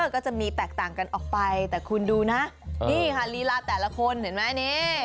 ก็จะมีแตกต่างกันออกไปแต่คุณดูนะนี่ค่ะลีลาแต่ละคนเห็นไหมนี่